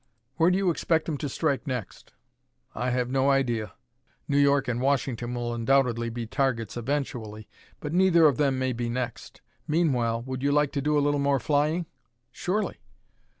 "Where do you expect him to strike next?" "I have no idea. New York and Washington will undoubtedly be targets eventually, but neither of them may be next. Meanwhile, would you like to do a little more flying?" "Surely."